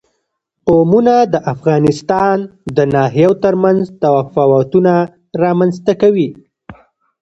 قومونه د افغانستان د ناحیو ترمنځ تفاوتونه رامنځ ته کوي.